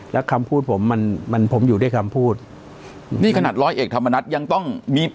แล้วคำพูดผมมันมันผมอยู่ด้วยคำพูดนี่ขนาดร้อยเอกธรรมนัฐยังต้องมี